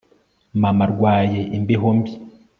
Mama arwaye imbeho mbi